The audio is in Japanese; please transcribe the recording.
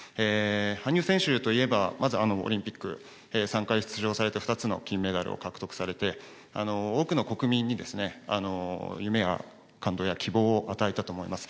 羽生選手といえば、まずオリンピック、３回出場されて、２つの金メダルを獲得されて、多くの国民に夢や感動や希望を与えたと思います。